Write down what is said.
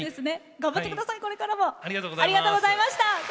頑張ってください、これからも。